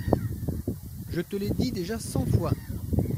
Je te l'ai déjà dit cent fois.